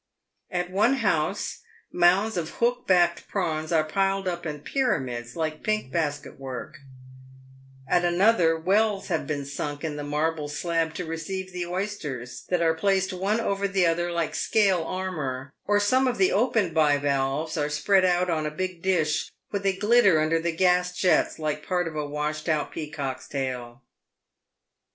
At one house mounds of hook backed prawns are piled up in pyramids like pink basket work ; at another wells have been sunk in the marble slab to receive the oysters that are placed one over the other like scale armour, or some of the opened bivalves are spread out on a big dish, where they glitter under the gas jets like part of a washed out peacock's tail.